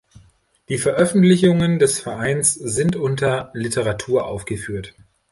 Die Veröffentlichungen des Vereins sind unter Literatur aufgeführt.